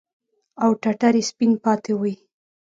او ټټر يې سپين پاته وي.